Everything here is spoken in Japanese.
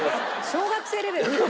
小学生レベルだよ。